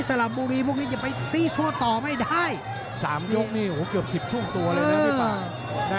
ลำโบวีพวกนี้จะไปซี่โชว์ต่อไม่ได้๓ยกนี่โอ้โหเกือบ๑๐ช่วงตัวเลยนะพี่ป้า